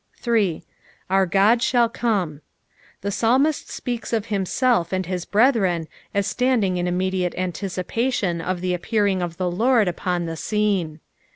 3. "Our God i/tall emne." The psalmist speaks of himself and hie brethren aa Btandinff in immediate anticipation of the appearing of the Lord upon the Bcene.